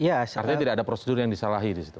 artinya tidak ada prosedur yang disalahi di situ